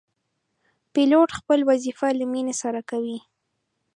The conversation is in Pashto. پیلوټ خپل وظیفه له مینې سره کوي.